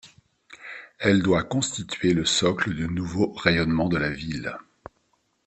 Elle doit constituer le socle du nouveau rayonnement de la ville.